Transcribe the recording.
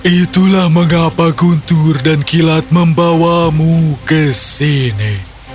itulah mengapa guntur dan kilat membawamu ke sini